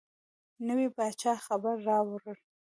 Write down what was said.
نوي پاچا خبر راووړ.